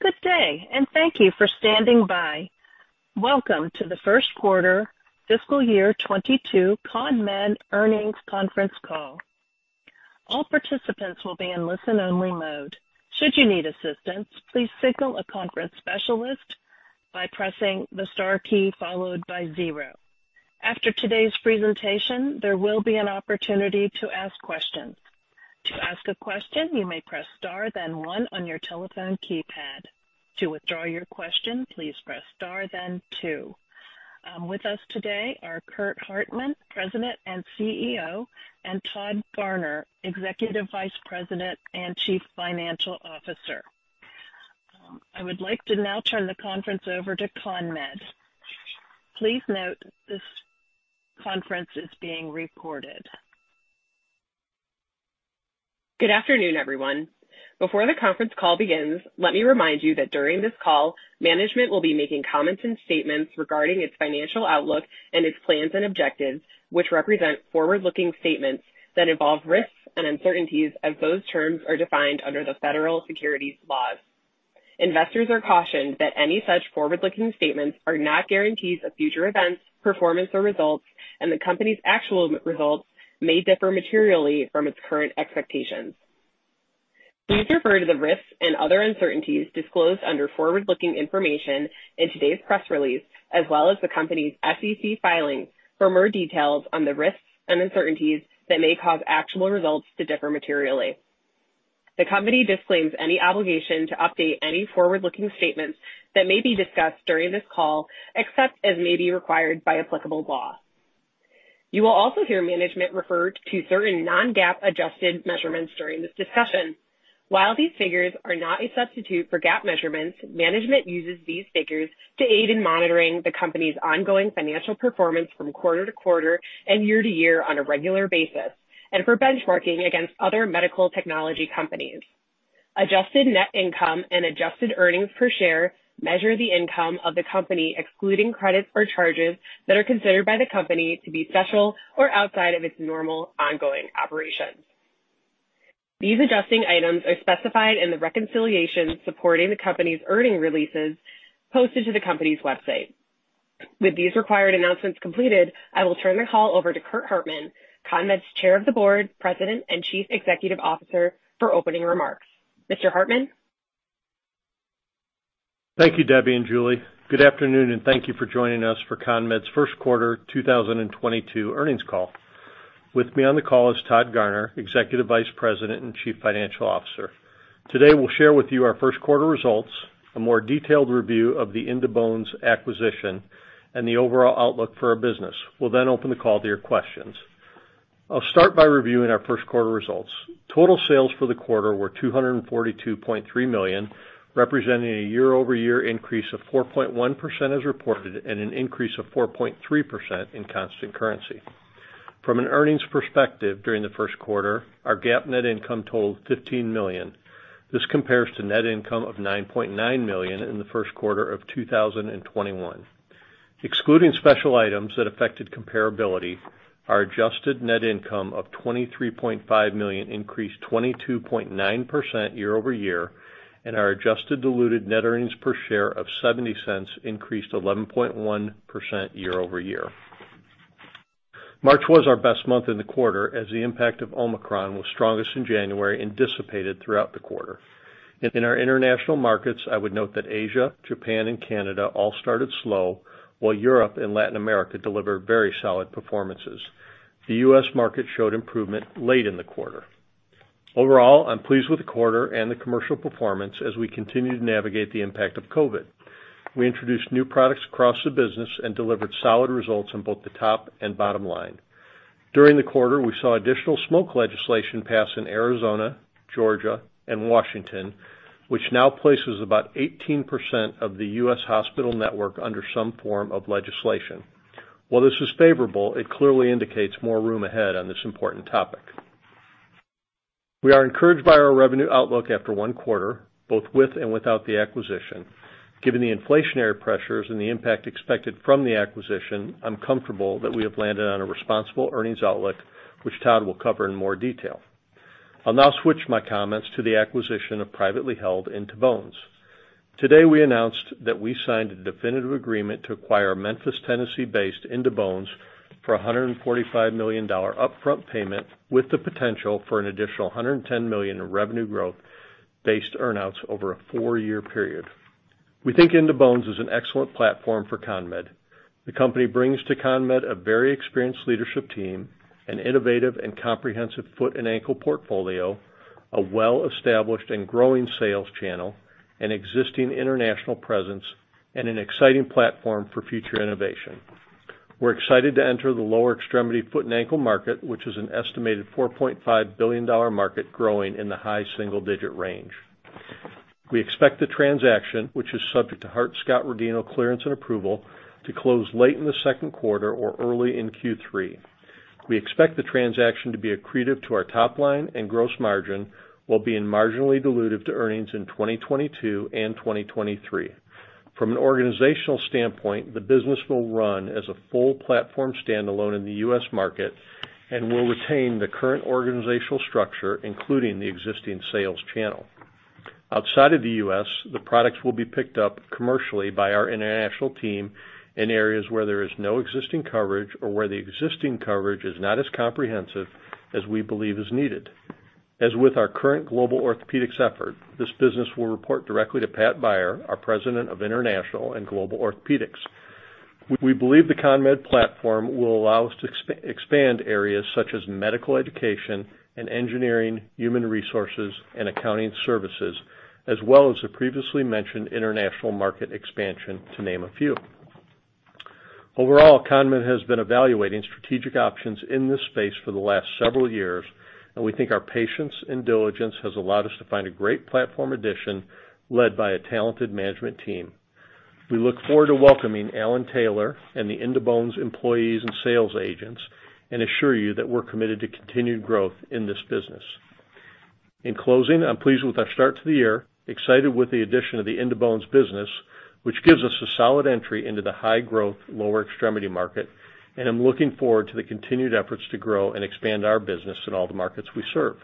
Good day, and thank you for standing by. Welcome to the Q1 fiscal year 2022 CONMED Earnings Conference Call. All participants will be in listen-only mode. Should you need assistance, please signal a conference specialist by pressing the star key followed by zero. After today's presentation, there will be an opportunity to ask questions. To ask a question, you may press Star then one on your telephone keypad. To withdraw your question, please press Star then two. With us today are Curt Hartman, President and CEO, and Todd Garner, Executive Vice President and Chief Financial Officer. I would like to now turn the conference over to CONMED. Please note, this conference is being recorded. Good afternoon, everyone. Before the conference call begins, let me remind you that during this call, management will be making comments and statements regarding its financial outlook and its plans and objectives, which represent forward-looking statements that involve risks and uncertainties as those terms are defined under the federal securities laws. Investors are cautioned that any such forward-looking statements are not guarantees of future events, performance or results, and the company's actual results may differ materially from its current expectations. Please refer to the risks and other uncertainties disclosed under forward-looking information in today's press release, as well as the company's SEC filings for more details on the risks and uncertainties that may cause actual results to differ materially. The company disclaims any obligation to update any forward-looking statements that may be discussed during this call, except as may be required by applicable law. You will also hear management refer to certain non-GAAP adjusted measurements during this discussion. While these figures are not a substitute for GAAP measurements, management uses these figures to aid in monitoring the company's ongoing financial performance from quarter to quarter and year to year on a regular basis, and for benchmarking against other medical technology companies. Adjusted net income and adjusted earnings per share measure the income of the company, excluding credits or charges that are considered by the company to be special or outside of its normal ongoing operations. These adjusting items are specified in the reconciliation supporting the company's earnings releases posted to the company's website. With these required announcements completed, I will turn the call over to Curt Hartman, CONMED's Chair of the Board, President, and Chief Executive Officer, for opening remarks. Mr. Hartman? Thank you, Debbie and Julie. Good afternoon, and thank you for joining us for CONMED's Q1 2022 earnings call. With me on the call is Todd Garner, Executive Vice President and Chief Financial Officer. Today, we'll share with you our Q1 results, a more detailed review of the In2Bones acquisition, and the overall outlook for our business. We'll then open the call to your questions. I'll start by reviewing our Q1 results. Total sales for the quarter were $242.3 million, representing a year-over-year increase of 4.1% as reported, and an increase of 4.3% in constant currency. From an earnings perspective during the Q1, our GAAP net income totaled $15 million. This compares to net income of $9.9 million in the Q1 of 2021. Excluding special items that affected comparability, our adjusted net income of $23.5 million increased 22.9% year-over-year, and our adjusted diluted net earnings per share of $0.70 increased 11.1% year-over-year. March was our best month in the quarter as the impact of Omicron was strongest in January and dissipated throughout the quarter. In our international markets, I would note that Asia, Japan, and Canada all started slow, while Europe and Latin America delivered very solid performances. The U.S. market showed improvement late in the quarter. Overall, I'm pleased with the quarter and the commercial performance as we continue to navigate the impact of COVID. We introduced new products across the business and delivered solid results on both the top and bottom line. During the quarter, we saw additional smoke legislation pass in Arizona, Georgia, and Washington, which now places about 18% of the U.S. hospital network under some form of legislation. While this is favorable, it clearly indicates more room ahead on this important topic. We are encouraged by our revenue outlook after one quarter, both with and without the acquisition. Given the inflationary pressures and the impact expected from the acquisition, I'm comfortable that we have landed on a responsible earnings outlook, which Todd will cover in more detail. I'll now switch my comments to the acquisition of privately held In2Bones. Today, we announced that we signed a definitive agreement to acquire Memphis, Tennessee-based In2Bones for a $145 million upfront payment, with the potential for an additional $110 million in revenue growth-based earnouts over a four-year period. We think In2Bones is an excellent platform for CONMED. The company brings to CONMED a very experienced leadership team, an innovative and comprehensive foot and ankle portfolio, a well-established and growing sales channel, an existing international presence, and an exciting platform for future innovation. We're excited to enter the lower extremity foot and ankle market, which is an estimated $4.5 billion market growing in the high single digit range. We expect the transaction, which is subject to Hart-Scott-Rodino clearance and approval, to close late in the second quarter or early in Q3. We expect the transaction to be accretive to our top line and gross margin while being marginally dilutive to earnings in 2022 and 2023. From an organizational standpoint, the business will run as a full platform standalone in the U.S. market and will retain the current organizational structure, including the existing sales channel. Outside of the U.S., the products will be picked up commercially by our international team in areas where there is no existing coverage or where the existing coverage is not as comprehensive as we believe is needed. As with our current global orthopedics effort, this business will report directly to Pat Beyer, our President of International and Global Orthopedics. We believe the CONMED platform will allow us to expand areas such as medical education and engineering, human resources, and accounting services, as well as the previously mentioned international market expansion, to name a few. Overall, CONMED has been evaluating strategic options in this space for the last several years, and we think our patience and diligence has allowed us to find a great platform addition led by a talented management team. We look forward to welcoming Alan Taylor and the In2Bones employees and sales agents and assure you that we're committed to continued growth in this business. In closing, I'm pleased with our start to the year, excited with the addition of the In2Bones business, which gives us a solid entry into the high growth, lower extremity market, and I'm looking forward to the continued efforts to grow and expand our business in all the markets we serve.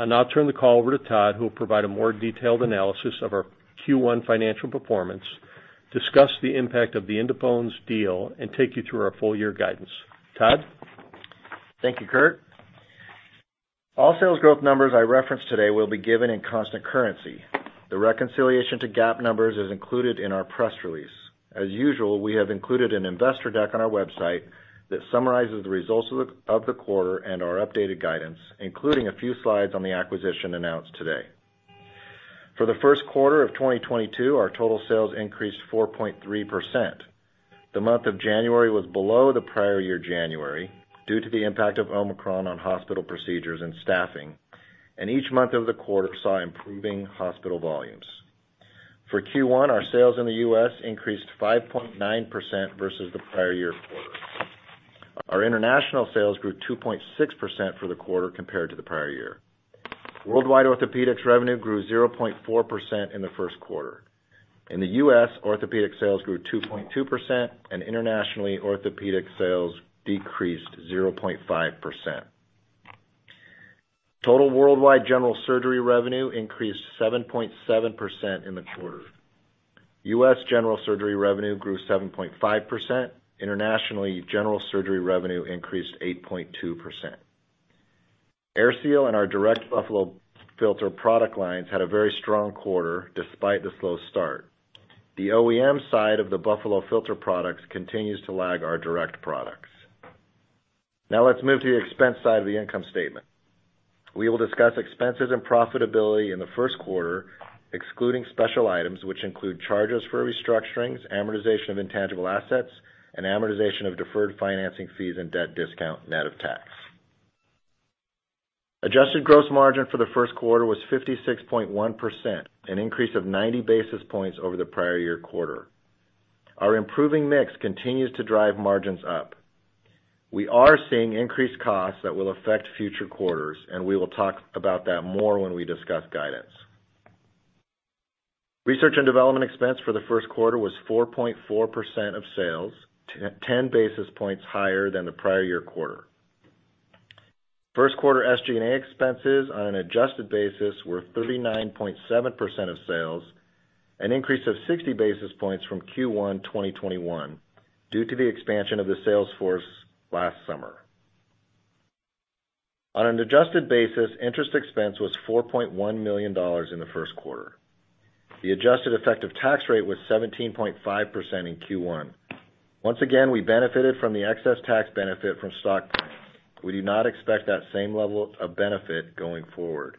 I'll now turn the call over to Todd, who will provide a more detailed analysis of our Q1 financial performance, discuss the impact of the In2Bones deal, and take you through our full year guidance. Todd? Thank you, Curt. All sales growth numbers I reference today will be given in constant currency. The reconciliation to GAAP numbers is included in our press release. As usual, we have included an investor deck on our website that summarizes the results of the quarter and our updated guidance, including a few slides on the acquisition announced today. For the Q1 of 2022, our total sales increased 4.3%. The month of January was below the prior year January due to the impact of Omicron on hospital procedures and staffing, and each month of the quarter saw improving hospital volumes. For Q1, our sales in the U.S. increased 5.9% versus the prior year quarter. Our international sales grew 2.6% for the quarter compared to the prior year. Worldwide Orthopedics revenue grew 0.4% in the Q1. In the U.S., Orthopedics sales grew 2.2%, and internationally, Orthopedics sales decreased 0.5%. Total worldwide General Surgery revenue increased 7.7% in the quarter. U.S. General Surgery revenue grew 7.5%. Internationally, General Surgery revenue increased 8.2%. AirSeal and our direct Buffalo Filter product lines had a very strong quarter despite the slow start. The OEM side of the Buffalo Filter products continues to lag our direct products. Now let's move to the expense side of the income statement. We will discuss expenses and profitability in the Q1, excluding special items which include charges for restructurings, amortization of intangible assets, and amortization of deferred financing fees and debt discount net of tax. Adjusted gross margin for the Q1 was 56.1%, an increase of 90 basis points over the prior year quarter. Our improving mix continues to drive margins up. We are seeing increased costs that will affect future quarters, and we will talk about that more when we discuss guidance. Research and development expense for the Q1 was 4.4% of sales, 10 basis points higher than the prior year quarter. Q1 SG&A expenses on an adjusted basis were 39.7% of sales, an increase of 60 basis points from Q1 2021 due to the expansion of the sales force last summer. On an adjusted basis, interest expense was $4.1 million in the Q1. The adjusted effective tax rate was 17.5% in Q1. Once again, we benefited from the excess tax benefit from stock options. We do not expect that same level of benefit going forward.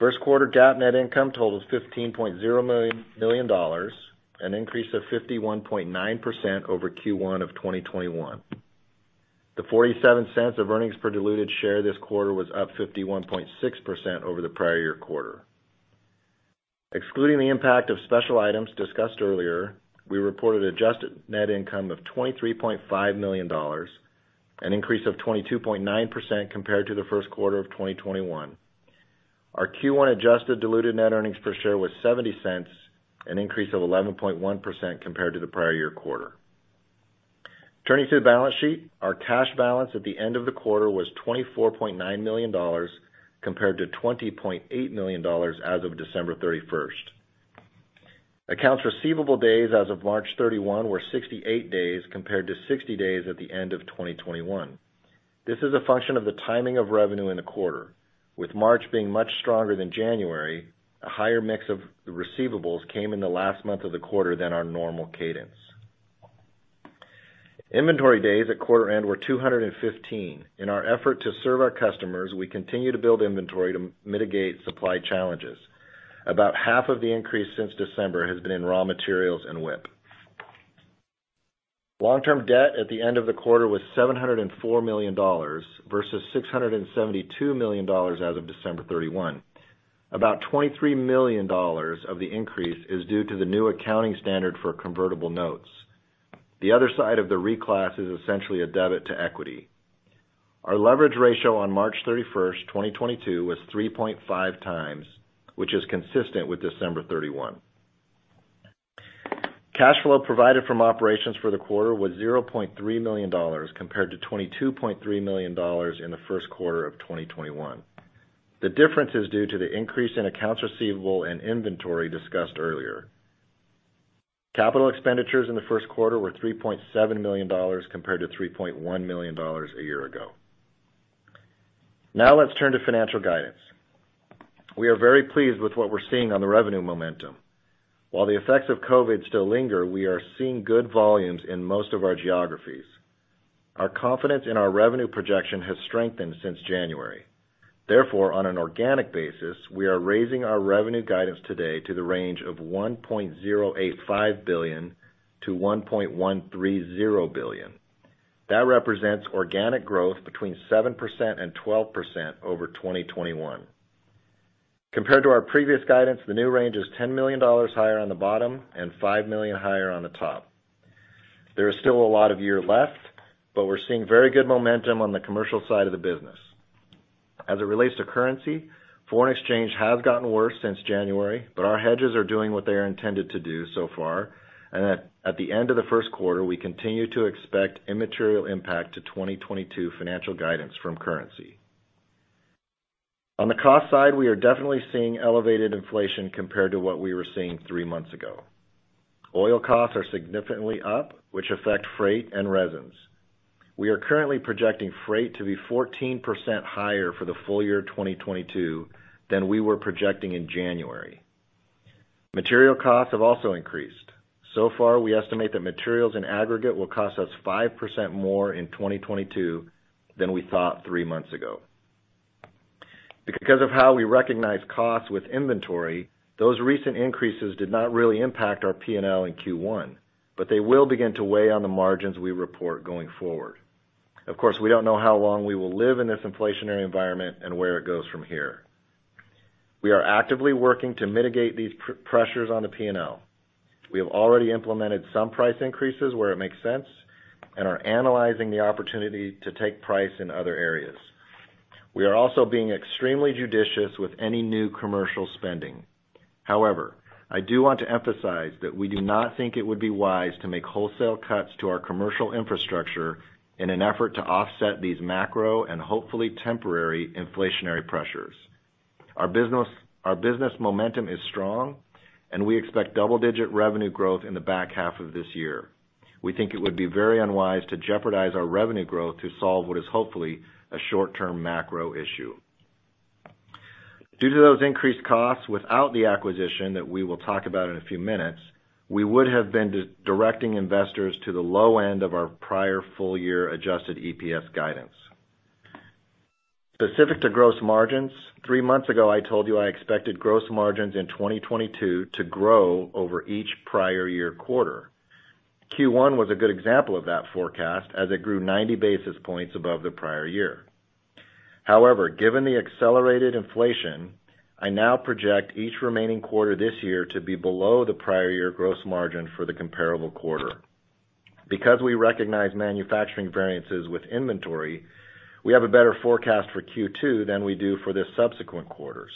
Q1 GAAP net income totaled $15.0 million, an increase of 51.9% over Q1 of 2021. The $0.47 of earnings per diluted share this quarter was up 51.6% over the prior year quarter. Excluding the impact of special items discussed earlier, we reported adjusted net income of $23.5 million, an increase of 22.9% compared to the Q1 of 2021. Our Q1 adjusted diluted net earnings per share was $0.70, an increase of 11.1% compared to the prior year quarter. Turning to the balance sheet, our cash balance at the end of the quarter was $24.9 million compared to $20.8 million as of December 31. Accounts receivable days as of March 31 were 68 days compared to 60 days at the end of 2021. This is a function of the timing of revenue in the quarter. With March being much stronger than January, a higher mix of receivables came in the last month of the quarter than our normal cadence. Inventory days at quarter end were 215. In our effort to serve our customers, we continue to build inventory to mitigate supply challenges. About half of the increase since December has been in raw materials and WIP. Long-term debt at the end of the quarter was $704 million versus $672 million as of December 31. About $23 million of the increase is due to the new accounting standard for convertible notes. The other side of the reclass is essentially a debit to equity. Our leverage ratio on March 31, 2022 was 3.5 times, which is consistent with December 31. Cash flow provided from operations for the quarter was $0.3 million compared to $22.3 million in the Q1 of 2021. The difference is due to the increase in accounts receivable and inventory discussed earlier. Capital expenditures in the Q1 were $3.7 million compared to $3.1 million a year ago. Now let's turn to financial guidance. We are very pleased with what we're seeing on the revenue momentum. While the effects of COVID still linger, we are seeing good volumes in most of our geographies. Our confidence in our revenue projection has strengthened since January. Therefore, on an organic basis, we are raising our revenue guidance today to the range of $1.085 billion-$1.130 billion. That represents organic growth between 7% and 12% over 2021. Compared to our previous guidance, the new range is $10 million higher on the bottom and $5 million higher on the top. There is still a lot of year left, but we're seeing very good momentum on the commercial side of the business. As it relates to currency, foreign exchange has gotten worse since January, but our hedges are doing what they are intended to do so far. At the end of the Q1, we continue to expect immaterial impact to 2022 financial guidance from currency. On the cost side, we are definitely seeing elevated inflation compared to what we were seeing three months ago. Oil costs are significantly up, which affect freight and resins. We are currently projecting freight to be 14% higher for the full year of 2022 than we were projecting in January. Material costs have also increased. So far, we estimate that materials in aggregate will cost us 5% more in 2022 than we thought three months ago. Because of how we recognize costs with inventory, those recent increases did not really impact our P&L in Q1, but they will begin to weigh on the margins we report going forward. Of course, we don't know how long we will live in this inflationary environment and where it goes from here. We are actively working to mitigate these pressures on the P&L. We have already implemented some price increases where it makes sense and are analyzing the opportunity to take price in other areas. We are also being extremely judicious with any new commercial spending. However, I do want to emphasize that we do not think it would be wise to make wholesale cuts to our commercial infrastructure in an effort to offset these macro and hopefully temporary inflationary pressures. Our business momentum is strong, and we expect double-digit revenue growth in the back half of this year. We think it would be very unwise to jeopardize our revenue growth to solve what is hopefully a short-term macro issue. Due to those increased costs, without the acquisition that we will talk about in a few minutes, we would have been directing investors to the low end of our prior full year adjusted EPS guidance. Specific to gross margins, three months ago, I told you I expected gross margins in 2022 to grow over each prior year quarter. Q1 was a good example of that forecast as it grew 90 basis points above the prior year. However, given the accelerated inflation, I now project each remaining quarter this year to be below the prior year gross margin for the comparable quarter. Because we recognize manufacturing variances with inventory, we have a better forecast for Q2 than we do for the subsequent quarters.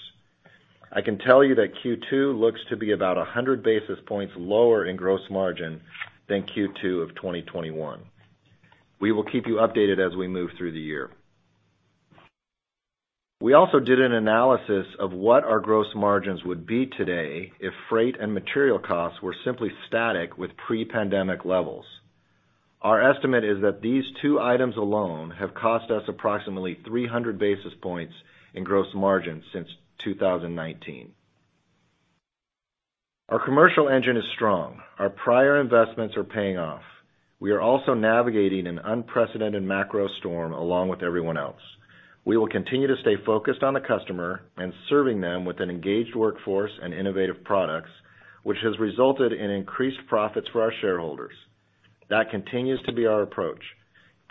I can tell you that Q2 looks to be about 100 basis points lower in gross margin than Q2 of 2021. We will keep you updated as we move through the year. We also did an analysis of what our gross margins would be today if freight and material costs were simply static with pre-pandemic levels. Our estimate is that these two items alone have cost us approximately 300 basis points in gross margin since 2019. Our commercial engine is strong. Our prior investments are paying off. We are also navigating an unprecedented macro storm along with everyone else. We will continue to stay focused on the customer and serving them with an engaged workforce and innovative products, which has resulted in increased profits for our shareholders. That continues to be our approach.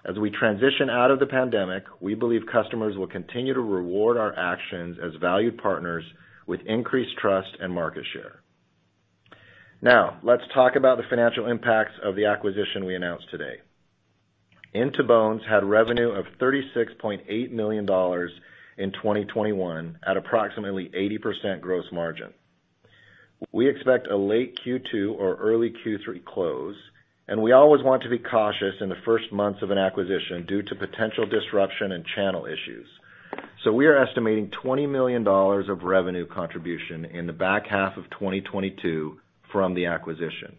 As we transition out of the pandemic, we believe customers will continue to reward our actions as valued partners with increased trust and market share. Now, let's talk about the financial impacts of the acquisition we announced today. In2Bones had revenue of $36.8 million in 2021 at approximately 80% gross margin. We expect a late Q2 or early Q3 close, and we always want to be cautious in the first months of an acquisition due to potential disruption and channel issues. We are estimating $20 million of revenue contribution in the back half of 2022 from the acquisition.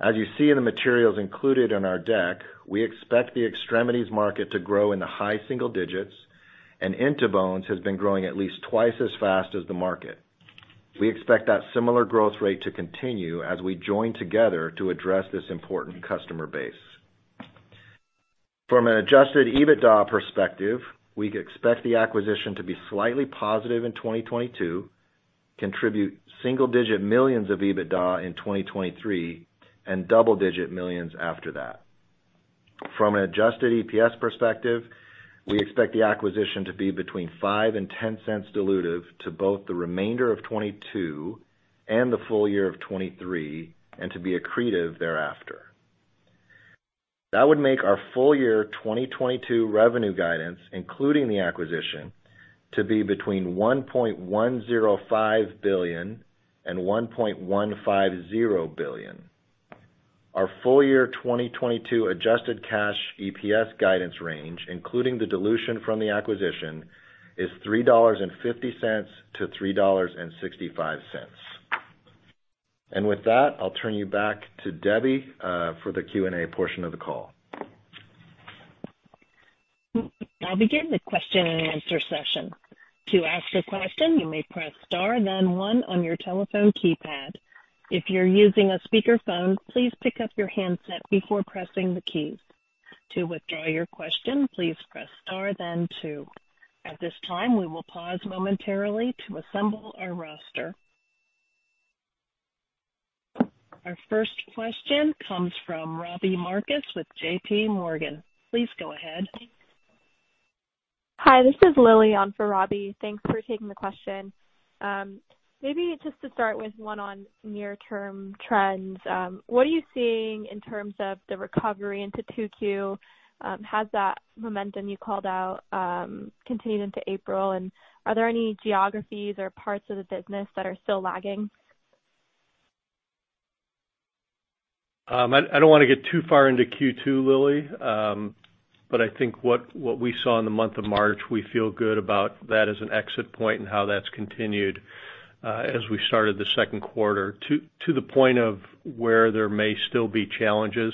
As you see in the materials included in our deck, we expect the extremities market to grow in the high single digits, and In2Bones has been growing at least twice as fast as the market. We expect that similar growth rate to continue as we join together to address this important customer base. From an adjusted EBITDA perspective, we expect the acquisition to be slightly positive in 2022, contribute single-digit millions of EBITDA in 2023, and double-digit millions after that. From an adjusted EPS perspective, we expect the acquisition to be between $0.05 and $0.10 dilutive to both the remainder of 2022- The full year of 2023 and to be accretive thereafter. That would make our full year 2022 revenue guidance, including the acquisition, to be between $1.105 billion-$1.150 billion. Our full year 2022 adjusted cash EPS guidance range, including the dilution from the acquisition, is $3.50-$3.65. With that, I'll turn you back to Debbie for the Q&A portion of the call. I'll begin the question and answer session. To ask a question, you may press Star then one on your telephone keypad. If you're using a speakerphone, please pick up your handset before pressing the keys. To withdraw your question, please press Star then two. At this time, we will pause momentarily to assemble our roster. Our first question comes from Robbie Marcus with JPMorgan. Please go ahead. Hi, this is Lily on for Robbie. Thanks for taking the question. Maybe just to start with one on near-term trends. What are you seeing in terms of the recovery into Q2? Has that momentum you called out continued into April? Are there any geographies or parts of the business that are still lagging? I don't wanna get too far into Q2, Lily. I think what we saw in the month of March, we feel good about that as an exit point and how that's continued, as we started the second quarter to the point of where there may still be challenges.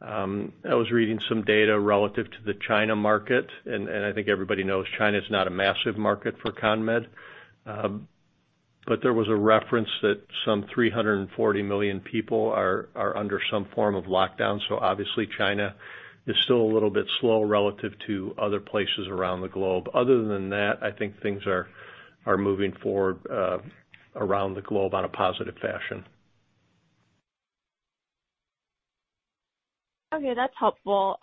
I was reading some data relative to the China market, and I think everybody knows China's not a massive market for CONMED. There was a reference that some 340 million people are under some form of lockdown. Obviously China is still a little bit slow relative to other places around the globe. Other than that, I think things are moving forward, around the globe on a positive fashion. Okay, that's helpful.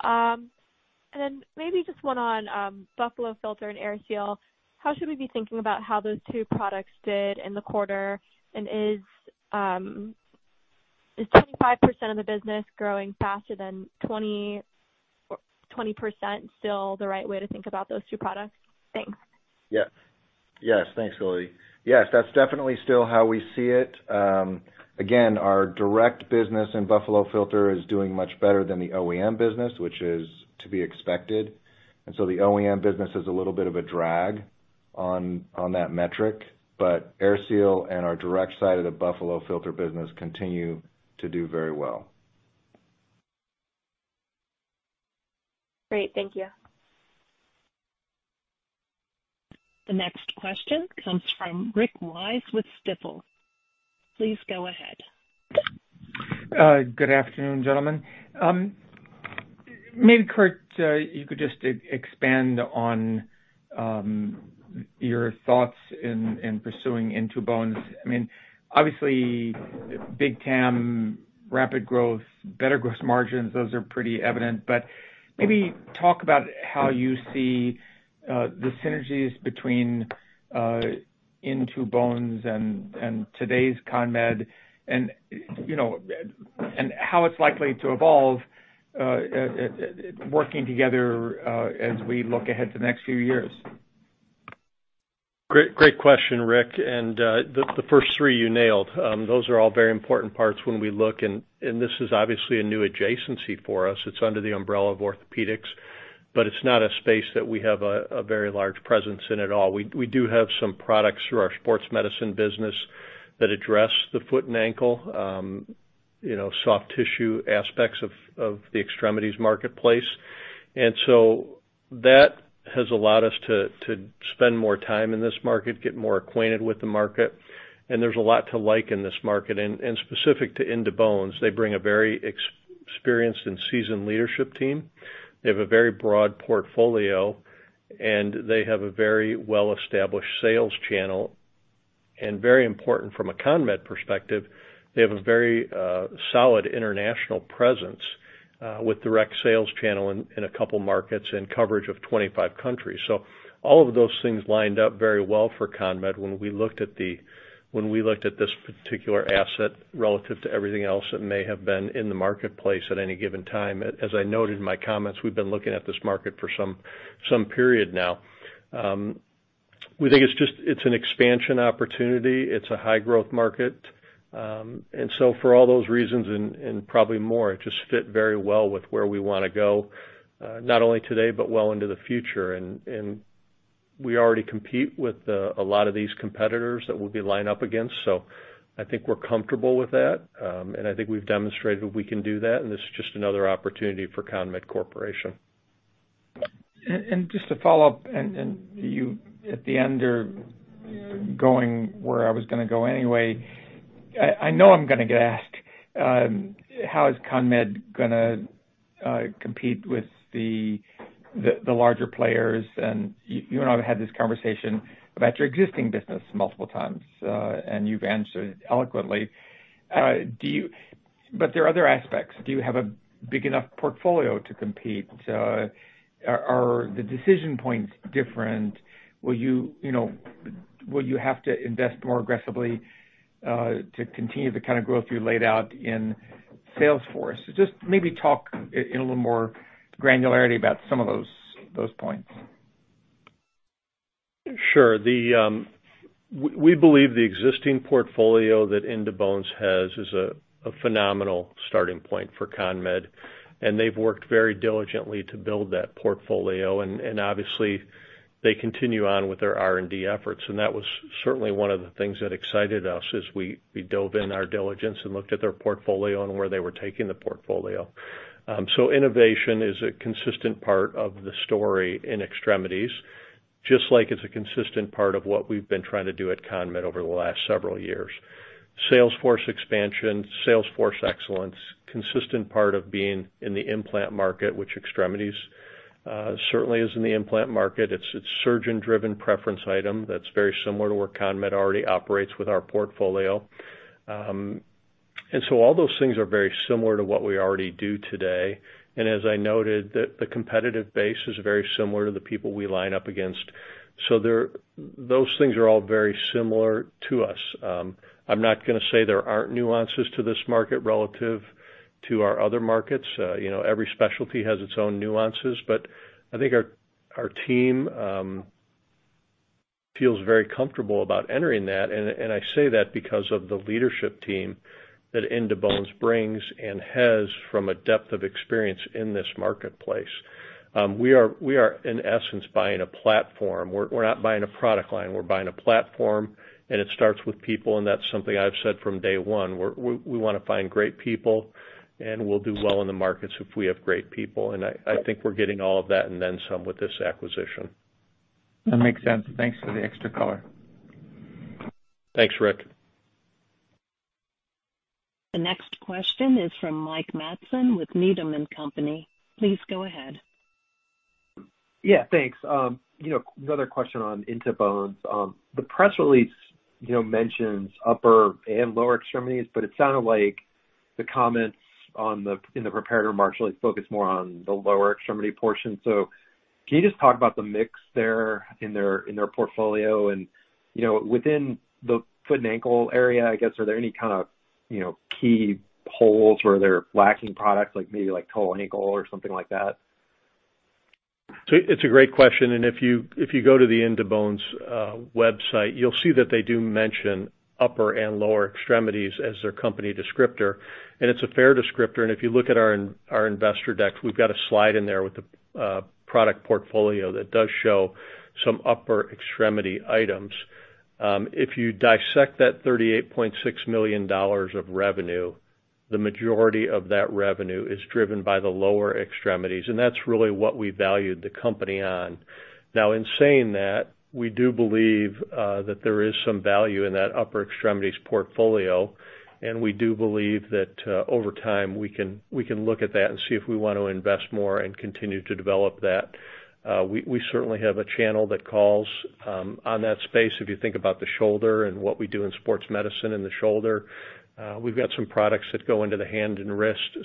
Maybe just one on Buffalo Filter and AirSeal. How should we be thinking about how those two products did in the quarter? Is 25% of the business growing faster than 20 or 20% still the right way to think about those two products? Thanks. Yes. Thanks, Lily. Yes, that's definitely still how we see it. Again, our direct business in Buffalo Filter is doing much better than the OEM business, which is to be expected. The OEM business is a little bit of a drag on that metric. AirSeal and our direct side of the Buffalo Filter business continue to do very well. Great. Thank you. The next question comes from Rick Wise with Stifel. Please go ahead. Good afternoon, gentlemen. Maybe Kurt, you could just expand on your thoughts in pursuing In2Bones. I mean, obviously big TAM, rapid growth, better gross margins, those are pretty evident. Maybe talk about how you see the synergies between In2Bones and today's CONMED and, you know, and how it's likely to evolve working together as we look ahead to the next few years. Great question, Rick. The first three you nailed. Those are all very important parts when we look, and this is obviously a new adjacency for us. It's under the umbrella of orthopedics, but it's not a space that we have a very large presence in at all. We do have some products through our sports medicine business that address the foot and ankle, you know, soft tissue aspects of the extremities marketplace. That has allowed us to spend more time in this market, get more acquainted with the market, and there's a lot to like in this market. Specific to In2Bones, they bring a very experienced and seasoned leadership team. They have a very broad portfolio, and they have a very well-established sales channel. Very important from a CONMED perspective, they have a very solid international presence with direct sales channel in a couple markets and coverage of 25 countries. All of those things lined up very well for CONMED when we looked at this particular asset relative to everything else that may have been in the marketplace at any given time. As I noted in my comments, we've been looking at this market for some period now. We think it's an expansion opportunity. It's a high growth market. For all those reasons and probably more, it just fit very well with where we wanna go, not only today, but well into the future. We already compete with a lot of these competitors that we'll be lined up against. I think we're comfortable with that. I think we've demonstrated we can do that, this is just another opportunity for CONMED Corporation. Just to follow up, and you at the end are going where I was gonna go anyway. I know I'm gonna get asked how is CONMED gonna compete with the larger players? You and I have had this conversation about your existing business multiple times, and you've answered eloquently. There are other aspects. Do you have a big enough portfolio to compete? Are the decision points different? Will you know, have to invest more aggressively to continue the kind of growth you laid out in sales forecast? Just maybe talk in a little more granularity about some of those points. Sure. We believe the existing portfolio that In2Bones has is a phenomenal starting point for CONMED, and they've worked very diligently to build that portfolio. Obviously they continue on with their R&D efforts. That was certainly one of the things that excited us as we dove in our diligence and looked at their portfolio and where they were taking the portfolio. Innovation is a consistent part of the story in Extremities, just like it's a consistent part of what we've been trying to do at CONMED over the last several years. Salesforce expansion, salesforce excellence, consistent part of being in the implant market, which Extremities certainly is in the implant market. It's surgeon-driven preference item that's very similar to where CONMED already operates with our portfolio. All those things are very similar to what we already do today. As I noted, the competitive base is very similar to the people we line up against. They're those things are all very similar to us. I'm not gonna say there aren't nuances to this market relative to our other markets. You know, every specialty has its own nuances. I think our team feels very comfortable about entering that. I say that because of the leadership team that In2Bones brings and has from a depth of experience in this marketplace. We are in essence buying a platform. We're not buying a product line. We're buying a platform, and it starts with people, and that's something I've said from day one. We wanna find great people, and we'll do well in the markets if we have great people. I think we're getting all of that and then some with this acquisition. That makes sense. Thanks for the extra color. Thanks, Rick. The next question is from Mike Matson with Needham & Company. Please go ahead. Yeah, thanks. You know, another question on In2Bones. The press release, you know, mentions upper and lower extremities, but it sounded like the comments in the prepared remarks really focused more on the lower extremity portion. Can you just talk about the mix there in their portfolio and, you know, within the foot and ankle area, I guess, are there any kind of, you know, key holes where they're lacking products like maybe toe, ankle or something like that? It's a great question. If you go to the In2Bones website, you'll see that they do mention upper and lower extremities as their company descriptor. It's a fair descriptor. If you look at our investor deck, we've got a slide in there with the product portfolio that does show some upper extremity items. If you dissect that $38.6 million of revenue, the majority of that revenue is driven by the lower extremities, and that's really what we valued the company on. Now in saying that, we do believe that there is some value in that upper extremities portfolio, and we do believe that over time, we can look at that and see if we want to invest more and continue to develop that. We certainly have a channel that calls on that space. If you think about the shoulder and what we do in sports medicine in the shoulder, we've got some products that go into the hand and wrist.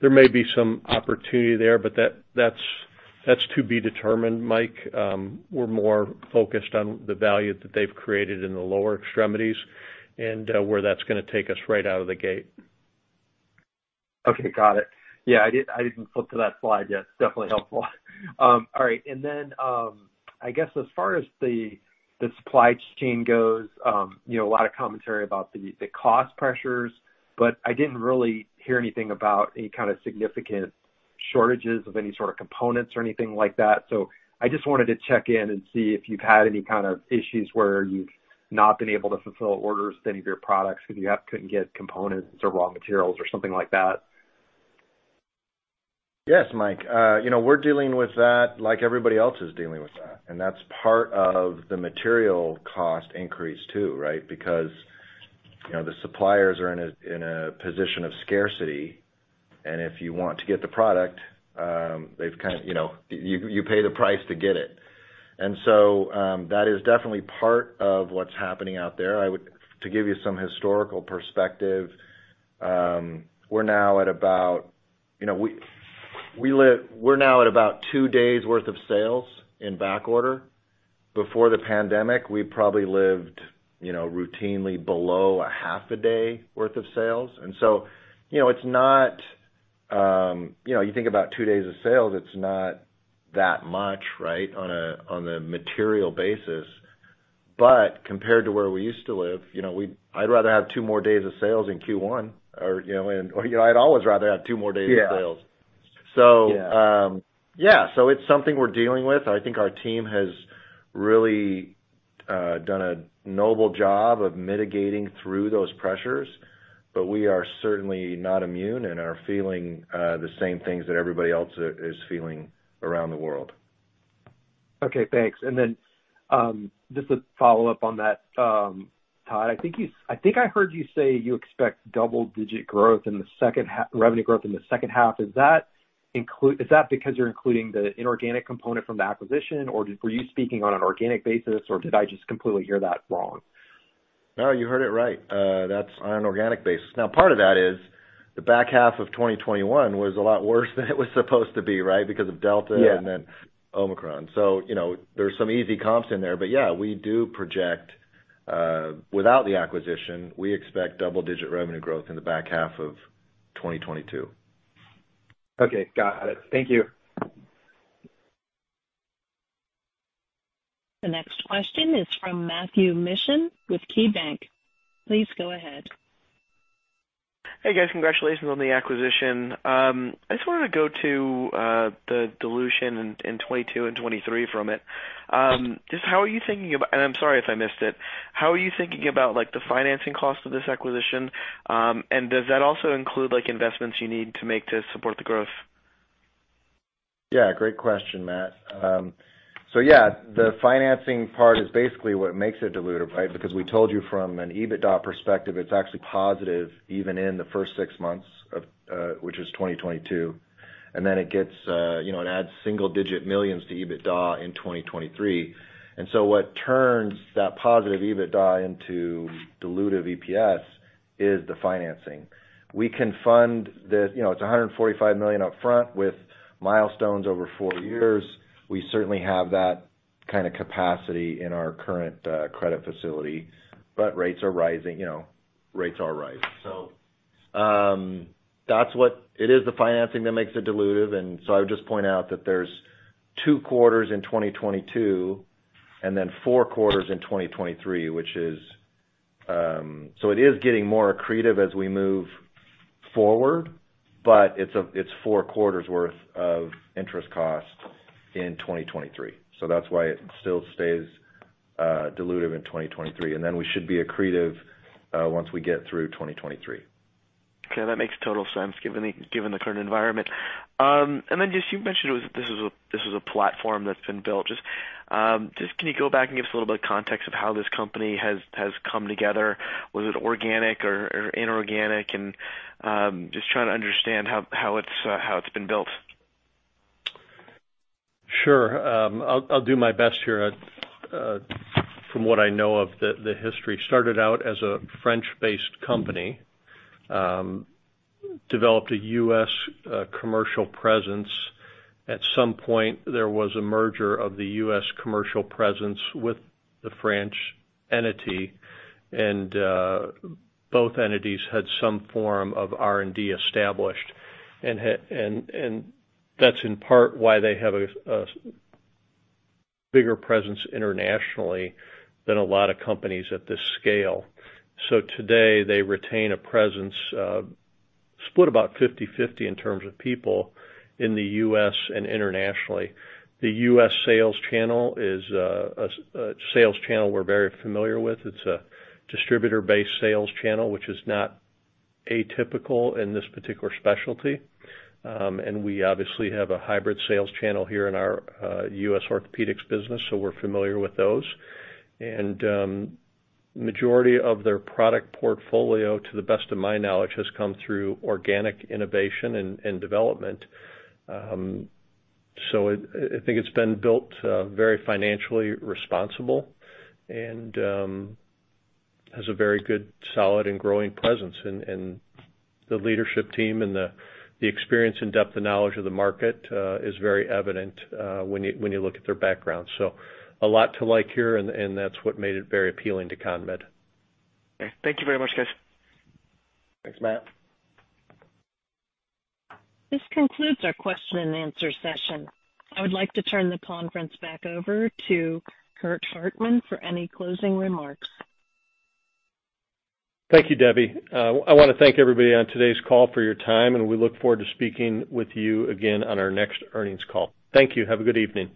There may be some opportunity there, but that's to be determined, Mike. We're more focused on the value that they've created in the lower extremities and where that's gonna take us right out of the gate. Okay, got it. Yeah, I didn't flip to that slide yet. Definitely helpful. I guess as far as the supply chain goes, you know, a lot of commentary about the cost pressures, but I didn't really hear anything about any kind of significant shortages of any sort of components or anything like that. I just wanted to check in and see if you've had any kind of issues where you've not been able to fulfill orders of any of your products because you couldn't get components or raw materials or something like that. Yes, Mike. You know, we're dealing with that like everybody else is dealing with that, and that's part of the material cost increase too, right? Because, you know, the suppliers are in a position of scarcity, and if you want to get the product, they've kind of you pay the price to get it. That is definitely part of what's happening out there. To give you some historical perspective, we're now at about two days worth of sales in backorder. Before the pandemic, we probably lived, you know, routinely below a half a day worth of sales. You know, it's not, you know, you think about two days of sales, it's not that much, right, on a material basis. Compared to where we used to live, you know, I'd rather have two more days of sales in Q1 or, you know, I'd always rather have two more days of sales. Yeah. So, um. Yeah. Yeah. It's something we're dealing with. I think our team has really done a noble job of mitigating through those pressures, but we are certainly not immune and are feeling the same things that everybody else is feeling around the world. Okay, thanks. Just to follow up on that, Todd, I think I heard you say you expect double-digit revenue growth in the second half. Is that because you're including the inorganic component from the acquisition, or were you speaking on an organic basis, or did I just completely hear that wrong? No, you heard it right. That's on an organic basis. Now, part of that is the back half of 2021 was a lot worse than it was supposed to be, right? Because of Delta. Yeah. Omicron. You know, there's some easy comps in there. Yeah, we do project, without the acquisition, we expect double-digit revenue growth in the back half of 2022. Okay, got it. Thank you. The next question is from Matthew Mishan with KeyBanc. Please go ahead. Hey, guys. Congratulations on the acquisition. I just wanted to go to the dilution in 2022 and 2023 from it. I'm sorry if I missed it. How are you thinking about, like, the financing cost of this acquisition? Does that also include, like, investments you need to make to support the growth? Yeah, great question, Matt. So yeah, the financing part is basically what makes it dilutive, right? Because we told you from an EBITDA perspective, it's actually positive even in the first 6 months of 2022. Then it gets, you know, it adds single-digit millions to EBITDA in 2023. What turns that positive EBITDA into dilutive EPS is the financing. We can fund. You know, it's $145 million upfront with milestones over 4 years. We certainly have that kind of capacity in our current credit facility. Rates are rising, you know. That's what. It is the financing that makes it dilutive. I would just point out that there's 2 quarters in 2022 and then 4 quarters in 2023, which is. It is getting more accretive as we move forward, but it's 4 quarters worth of interest costs in 2023. That's why it still stays dilutive in 2023. Then we should be accretive once we get through 2023. Okay, that makes total sense given the current environment. Just you've mentioned this is a platform that's been built. Just can you go back and give us a little bit of context of how this company has come together? Was it organic or inorganic? Just trying to understand how it's been built. Sure. I'll do my best here. From what I know of the history, started out as a French-based company. Developed a U.S. commercial presence. At some point, there was a merger of the U.S. commercial presence with the French entity. Both entities had some form of R&D established. That's in part why they have a bigger presence internationally than a lot of companies at this scale. Today, they retain a presence split about 50/50 in terms of people in the U.S. and internationally. The U.S. sales channel is a sales channel we're very familiar with. It's a distributor-based sales channel, which is not atypical in this particular specialty. We obviously have a hybrid sales channel here in our U.S. orthopedics business, so we're familiar with those. Majority of their product portfolio, to the best of my knowledge, has come through organic innovation and development. I think it's been built very financially responsible and has a very good, solid and growing presence. The leadership team and the experience and depth of knowledge of the market is very evident when you look at their background. A lot to like here and that's what made it very appealing to CONMED. Okay. Thank you very much, guys. Thanks, Matt. This concludes our question and answer session. I would like to turn the conference back over to Curt Hartman for any closing remarks. Thank you, Debbie. I wanna thank everybody on today's call for your time, and we look forward to speaking with you again on our next earnings call. Thank you. Have a good evening.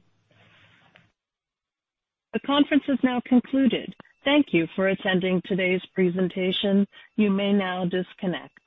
The conference is now concluded. Thank you for attending today's presentation. You may now disconnect.